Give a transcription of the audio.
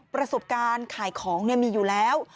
ประสบการณ์ขายของมีอยู่แล้ว